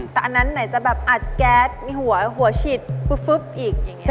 แต่อันนั้นไหนจะแบบอัดแก๊สมีหัวฉีดปุ๊บอีกอย่างนี้